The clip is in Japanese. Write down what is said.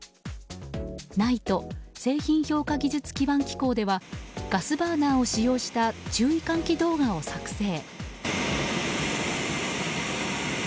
ＮＩＴＥ・製品評価技術基盤機構ではガスバーナーを使用した注意喚起動画を作成。